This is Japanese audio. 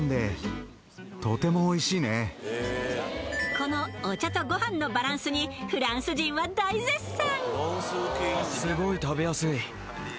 このお茶とご飯のバランスにフランス人は大絶賛！